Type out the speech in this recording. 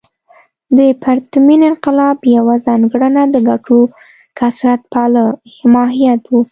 د پرتمین انقلاب یوه ځانګړنه د ګټو کثرت پاله ماهیت و.